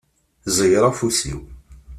Ẓeyyeṛ afus-iw.